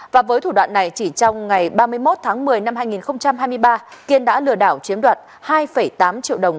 và với thủ đoạn này chỉ trong ngày ba mươi một tháng một mươi năm hai nghìn hai mươi ba kiên đã lừa đảo chiếm đoạt hai tám triệu đồng